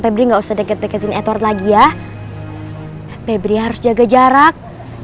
febri nggak usah deket deketin edward lagi ya pebri harus jaga jarak